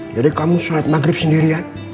jadi kamu sholat maghrib sendirian